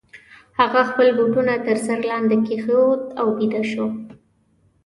هغه خپل بوټونه تر سر لاندي کښېښودل او بیده سو.